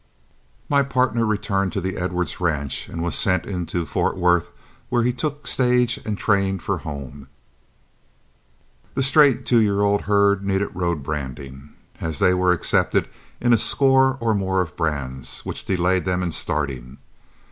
My partner returned to the Edwards ranch and was sent in to Fort Worth, where he took stage and train for home. The straight two year old herd needed road branding, as they were accepted in a score or more brands, which delayed them in starting.